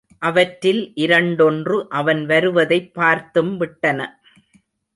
அவற்றில் இரண்டொன்று அவன் வருவதைப் பார்த்தும்விட்டன.